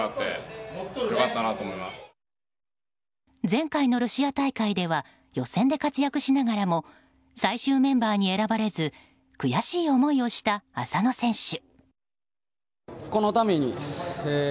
前回のロシア大会では予選で活躍しながらも最終メンバーに選ばれず悔しい思いをした浅野選手。